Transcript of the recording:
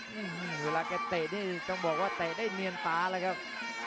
เวลาแกเตะนี่ต้องบอกว่าเตะได้เนียนตาเลยครับ